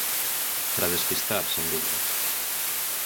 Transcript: Para despistar, sen dúbida.